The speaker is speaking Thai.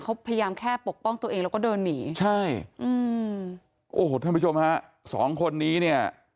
เขาพยายามแค่ปกป้องตัวเองแล้วก็เดินหนีใช่อืมโอ้โหท่านผู้ชมฮะสองคนนี้เนี่ย